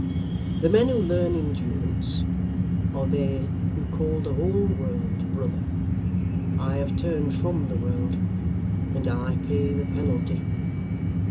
The men who learn endurance, are they who call the whole world, brother. I have turned FROM the world, and I pay the penalty.